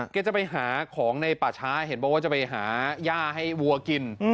จะไปหาของในป่าช้าเห็นบอกว่าจะไปหาย่าให้วัวกิน